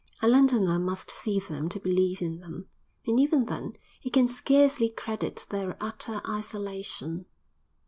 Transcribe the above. A Londoner must see them to believe in them; and even then he can scarcely credit their utter isolation.